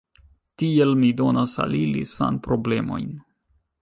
Tiel mi donas al ili sanproblemojn.